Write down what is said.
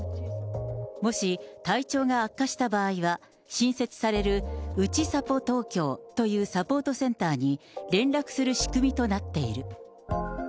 もし体調が悪化した場合は、新設されるうちさぽ東京というサポートセンターに連絡する仕組みとなっている。